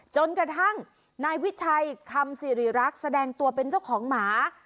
จนกระทั่งนายวิชัยคำสิริรักษ์แสดงตัวเป็นเจ้าของหมา